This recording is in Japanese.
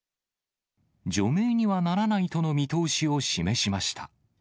除名にはならないとの見通しを示しました。